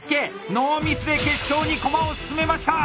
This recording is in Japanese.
ノーミスで決勝に駒を進めました！